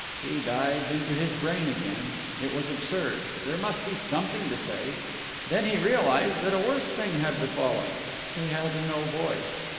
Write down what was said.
He dived into his brain again. It was absurd! There must be something to say. And then he realized that a worse thing had befallen. He had no voice.